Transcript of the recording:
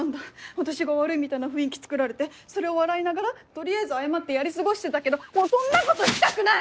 私が悪いみたいな雰囲気つくられてそれを笑いながら取りあえず謝ってやり過ごしてたけどもうそんなことしたくない！